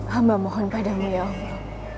hama mohon padamu ya allah